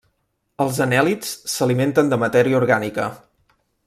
Els anèl·lids s'alimenten de matèria orgànica.